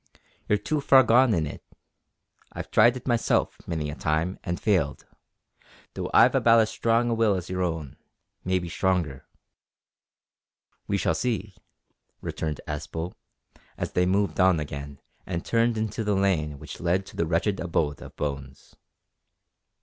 You're too far gone in it. I've tried it myself, many a time, and failed, though I've about as strong a will as your own maybe stronger." "We shall see," returned Aspel, as they moved on again and turned into the lane which led to the wretched abode of Bones.